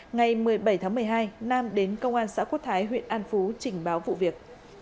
ngày một mươi bảy tháng một mươi hai nam đến công an xã quốc thái huyện an phú trình báo vụ việc